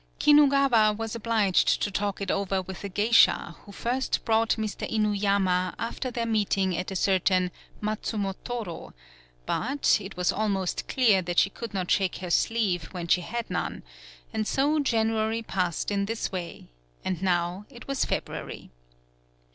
Kinugawa was obliged to talk it over with a geisha who first brought Mr. Inuyama after their meeting at a certain Matsumotoro, but, it was almost clear that she could not shake her sleeve when she had none, and so January passed in this way, and now it was Feb ruary.